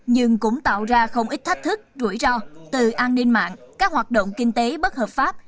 nhưng cũng tạo ra không ít thách thức rủi ro từ an ninh mạng các hoạt động kinh tế bất hợp pháp